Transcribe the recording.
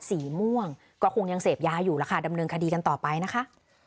สีม่วงก็คงยังเสพยาอยู่แล้วค่ะดำเนินคดีกันต่อไปนะคะ